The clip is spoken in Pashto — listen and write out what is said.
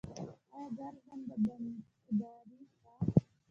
آیا ګرځنده بانکداري شته؟